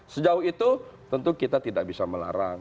sejauh itu tentu kita tidak bisa melarang